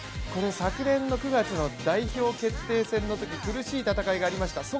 これ昨年の９月の代表決定戦のとき苦しい戦いがありました。